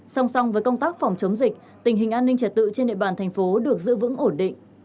song song với công tác phòng chống dịch tình hình an ninh trật tự trên địa bàn thành phố được giữ vững ổn định